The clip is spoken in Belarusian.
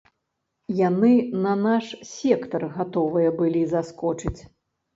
Яны на наш сектар гатовыя былі заскочыць.